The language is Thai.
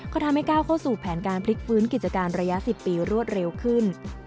ก็ทำให้ก้าวเข้าสู่แผนการพลิกฟื้นกิจการระยะ๑๐ปีรวดเร็วขึ้น